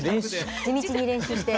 地道に練習して。